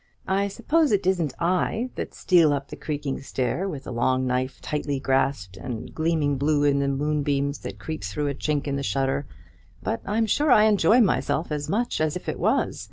I suppose it isn't I that steal up the creaking stair, with a long knife tightly grasped and gleaming blue in the moonbeams that creep through a chink in the shutter; but I'm sure I enjoy myself as much as if it was.